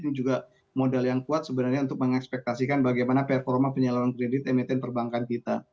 ini juga modal yang kuat sebenarnya untuk mengekspektasikan bagaimana performa penyaluran kredit emiten perbankan kita